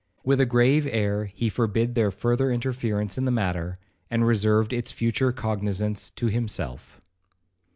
With a grave air he forbid their further interference in the matter, and reserved its future cognizance to himself.